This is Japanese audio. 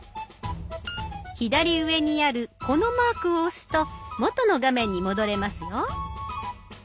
左上にあるこのマークを押すと元の画面に戻れますよ。